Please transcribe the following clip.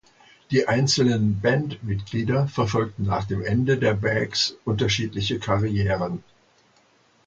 Die einzelnen Bandmitglieder verfolgten nach dem Ende der Bags unterschiedliche Karrieren.